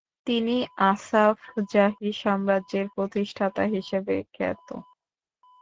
তিনি আসাফ জাহি সাম্রাজ্যের প্রতিষ্ঠাতা হিসেবে খ্যাত।